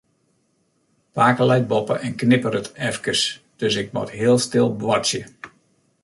Pake leit boppe en knipperet efkes, dus ik moat heel stil boartsje.